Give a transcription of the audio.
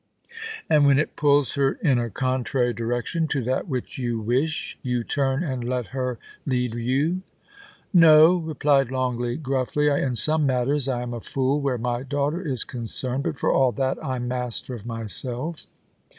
*' And when it pulls her in a contrary direction to that which you wish, you turn and let her lead you ?No,' replied Longleat, gruffly. * In some matters I am a fool where my daughter is concerned, but for all that, I'm master of myself.